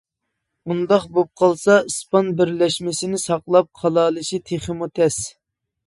ئۇنداق بولۇپ قالسا ئىسپان بىرلەشمىسىنى ساقلاپ قالالىشى تېخىمۇ تەس.